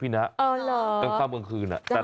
จักรขวามวงคืนนะ